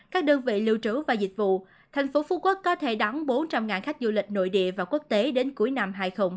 các đơn vị lưu trú và dịch vụ thành phố phú quốc có thể đón bốn trăm linh khách du lịch nội địa và quốc tế đến cuối năm hai nghìn hai mươi